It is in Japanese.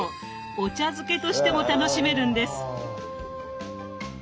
お茶漬けとしても楽しめるんです。